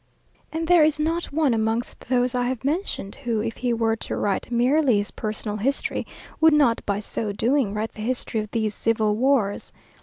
And there is not one amongst those I have mentioned, who, if he were to write merely his personal history, would not by so doing write the history of these civil wars.